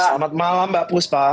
selamat malam mbak puspa